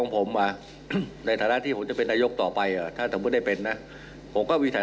เป็นสิ่งที่เป็นข้อเท็จจริงอยู่แล้วเพราะว่า